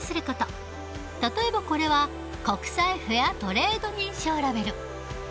例えばこれは国際フェアトレード認証ラベル。